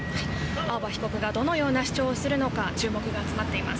青葉被告がどのような主張をするのか、注目が集まっています。